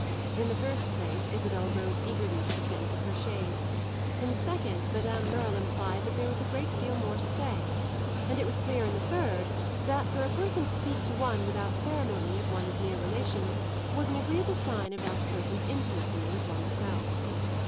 In the first place Isabel rose eagerly to the sense of her shades; in the second Madame Merle implied that there was a great deal more to say; and it was clear in the third that for a person to speak to one without ceremony of one's near relations was an agreeable sign of that person's intimacy with one's self.